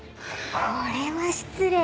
これは失礼。